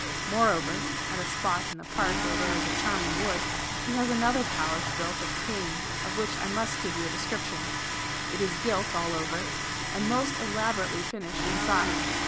Moreover [at a spot in the Park where there is a charming wood] he has another Palace built of cane, of which I must give you a description. It is gilt all over, and most elaborately finished inside.